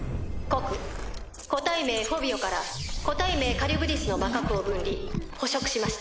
告個体名フォビオから個体名カリュブディスの魔核を分離捕食しました。